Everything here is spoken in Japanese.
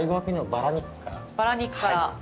バラ肉から。